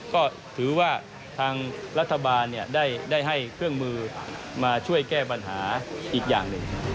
ก็ถือว่าทางรัฐบาลได้ให้เครื่องมือมาช่วยแก้ปัญหาอีกอย่างหนึ่ง